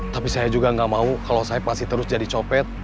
tapi saya juga gak mau kalau saeb masih terus jadi copet